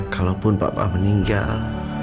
kalaupun papa meninggal